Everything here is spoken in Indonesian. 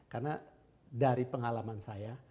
karena dari pengalaman saya